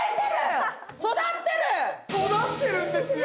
育ってるんですよ。